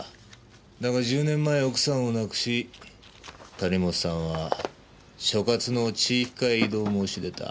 だが１０年前奥さんを亡くし谷本さんは所轄の地域課へ異動を申し出た。